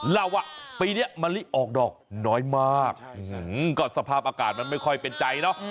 เล่าว่าปีนี้มะลิออกดอกน้อยมากก็สภาพอากาศมันไม่ค่อยเป็นใจเนอะ